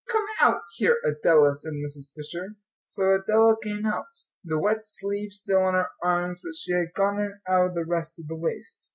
"Come out here, Adela," said Mrs. Fisher. So Adela came out, the wet sleeve still on her arm; but she had gotten out of the rest of the waist.